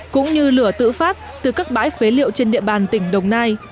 cũng như lửa tự phát từ các bãi phế liệu trên địa bàn tỉnh đồng nai